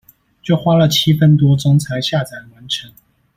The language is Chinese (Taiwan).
就花了七分多鐘才下載完成